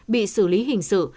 bị xử lý hình sự